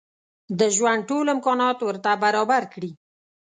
د ژوند ټول امکانات ورته برابر کړي.